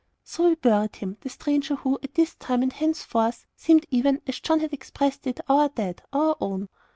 So we buried him the stranger who, at this time, and henceforth, seemed even, as John had expressed it, "our dead," our own.